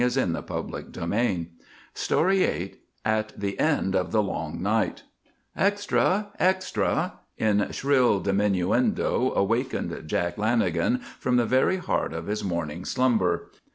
VIII AT THE END OF THE LONG NIGHT VIII AT THE END OF THE LONG NIGHT "Extra! Extra!" in shrill diminuendo awakened Jack Lanagan from the very heart of his morning slumber.